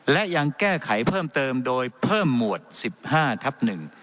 และยังแก้ไขเพิ่มเติมโดยเพิ่มหมวด๑๕ทับ๑